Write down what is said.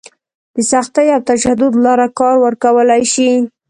د سختي او تشدد لاره کار ورکولی شي.